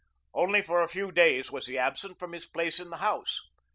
Only for a few days was he absent from his place in the House.